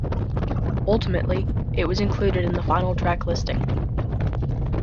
Ultimately, it was included in the final track listing.